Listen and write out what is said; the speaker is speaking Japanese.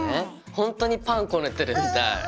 ほんとにパンこねてるみたい。